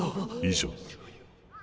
以上。